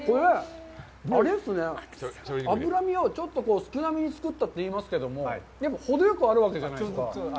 あれっすね、脂身を少なめに作ったといいますけど、ほどよくあるわけじゃないですか。